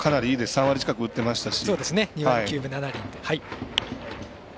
３割近く打ってましたし。